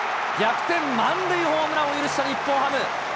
逆転満塁ホームランを許した日本ハム。